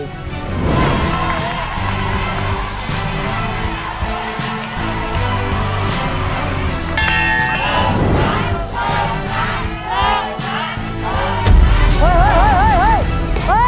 โรคขัดโรคขัดโรคขัดโรคขัด